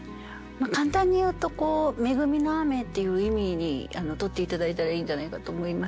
簡単に言うと恵みの雨っていう意味にとって頂いたらいいんじゃないかと思います。